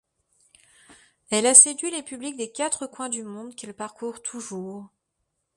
Elle a séduit les publics des quatre coins du monde qu’elle parcourt toujours.